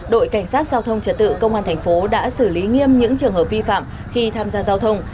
đội cảnh sát giao thông trật tự công an thành phố đã xử lý nghiêm những trường hợp vi phạm khi tham gia giao thông